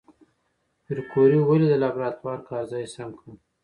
پېیر کوري ولې د لابراتوار کار ځای سم کړ؟